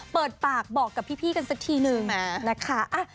เปิดปากบอกกับพี่กันสักทีนึงนะคะ